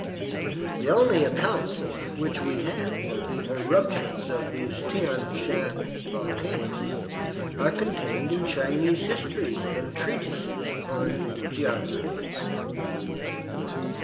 The only accounts which we have of the eruptions of these Thian Shan volcanoes are contained in Chinese histories and treatises on geography.